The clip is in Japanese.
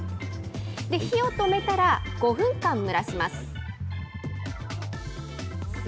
火を止めたら、５分間蒸らします。